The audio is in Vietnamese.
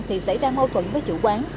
thì xảy ra mâu thuẫn với chủ quán